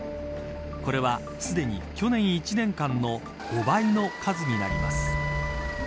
これはすでに、去年１年間の５倍の数になります。